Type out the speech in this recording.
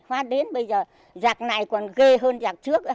khóa đến bây giờ giặc này còn ghê hơn giặc trước